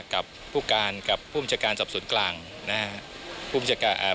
กับผู้การกับผู้บุหรัฐการดับสนุนกลางนะครับ